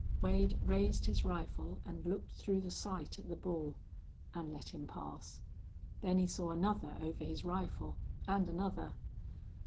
Wade raised his rifle and looked through the sight at the bull, and let him pass. Then he saw another over his rifle, and another.